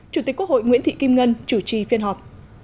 chủ tịch quốc hội nguyễn thị kim ngân chủ trì phiên họp